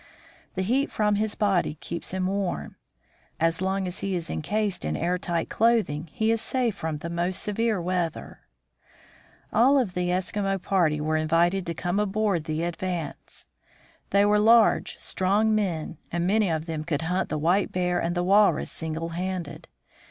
The heat from his body keeps him warm. As long as he is incased in air tight clothing, he is safe from the most severe weather. All of the Eskimo party were invited to come aboard the Advance. They were large, strong men, and many Eskimos and their Dogs. of them could hunt the white bear and the walrus single handed.